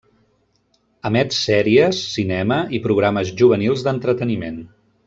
Emet sèries, cinema i programes juvenils d'entreteniment.